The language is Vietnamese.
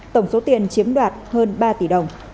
tổng số tiền chiếm đoạt hơn ba tỷ đồng